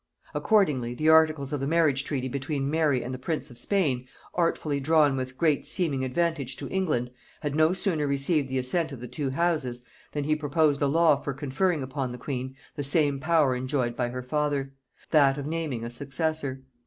Accordingly, the articles of the marriage treaty between Mary and the prince of Spain, artfully drawn with great seeming advantage to England, had no sooner received the assent of the two houses, than he proposed a law for conferring upon the queen the same power enjoyed by her father; that of naming a successor.